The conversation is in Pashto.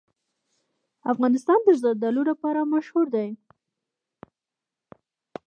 افغانستان د زردالو لپاره مشهور دی.